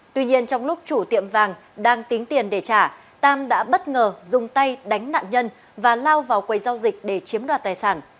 tuy nhiên trong lúc chủ tiệm vàng đang tính tiền để trả tam đã bất ngờ dùng tay đánh nạn nhân và lao vào quầy giao dịch để chiếm đoạt tài sản